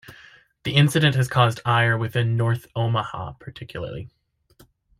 The incident has caused ire within North Omaha particularly.